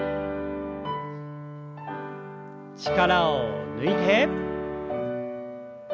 力を抜いて。